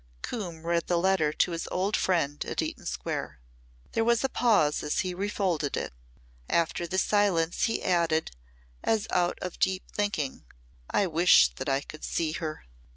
Coombe read the letter to his old friend at Eaton Square. There was a pause as he refolded it. After the silence he added as out of deep thinking, "I wish that I could see her."